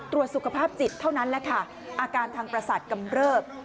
ตรวจสุขภาพจิตเท่านั้นแหละค่ะอาการทางประสาทกำเริบ